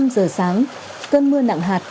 năm giờ sáng cơn mưa nặng hạt